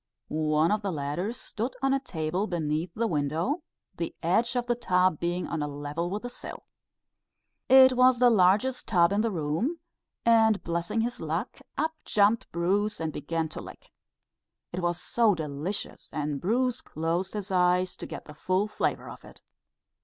One of the latter stood on a table beneath the window, the edge of the tub being on a level with the sill. It was the largest tub in the room; and blessing his luck, up jumped Bruce and began to lick. It was so delicious, and Bruce closed his eyes to get the full flavour of it.